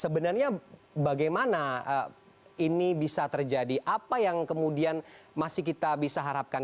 sebenarnya bagaimana ini bisa terjadi apa yang kemudian masih kita bisa harapkan